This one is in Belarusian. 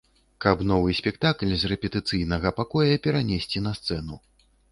Каб новы спектакль з рэпетыцыйнага пакоя перанесці на сцэну.